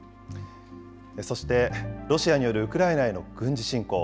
そして、ロシアによるウクライナへの軍事侵攻。